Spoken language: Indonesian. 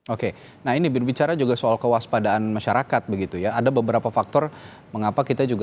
oke nah ini berbicara juga soal kewaspadaan masyarakat begitu ya ada beberapa faktor mengapa kita juga